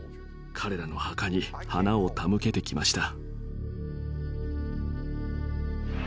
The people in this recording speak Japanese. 彼らの墓に花を手向けてきました。